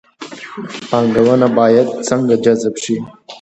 پانګونه باید څنګه جذب شي؟